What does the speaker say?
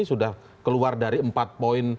sudah keluar dari empat poin